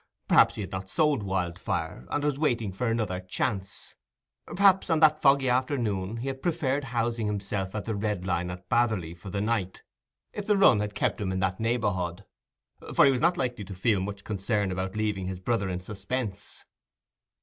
Perhaps he had not sold Wildfire, and was waiting for another chance—perhaps, on that foggy afternoon, he had preferred housing himself at the Red Lion at Batherley for the night, if the run had kept him in that neighbourhood; for he was not likely to feel much concern about leaving his brother in suspense.